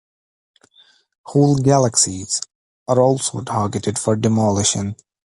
Whole galaxies are also targeted for demolition.